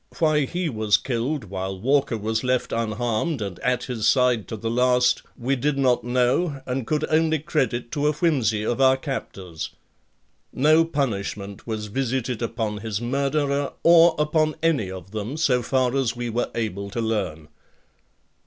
Why he was killed while Walker was left unharmed and at his side to the last we did not know and could only credit to a whimsy of our captors. No punishment was visited upon his murderer or upon any of them so far as we were able to learn.